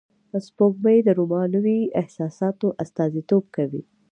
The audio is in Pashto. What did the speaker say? سپوږمۍ د رومانوی احساساتو استازیتوب کوي